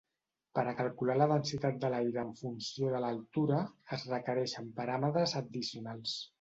Per a calcular la densitat de l'aire en funció de l'altura, es requereixen paràmetres addicionals.